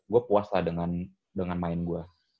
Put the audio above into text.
gue puas lah dengan main gue